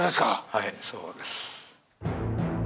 はいそうです。